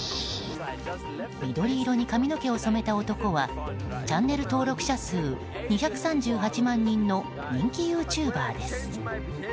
緑色に髪の毛を染めた男はチャンネル登録者数２３８万人の人気ユーチューバーです。